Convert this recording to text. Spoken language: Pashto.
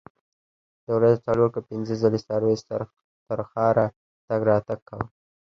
د ورځې څلور که پنځه ځلې سرویس تر ښاره تګ راتګ کاوه.